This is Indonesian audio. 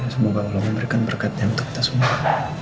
semoga allah memberikan berkatnya untuk kita semua